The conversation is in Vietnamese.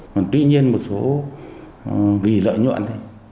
còn tuy nhiên một số vì lợi nhuận